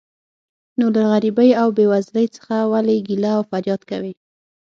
نو له غریبۍ او بې وزلۍ څخه ولې ګیله او فریاد کوې.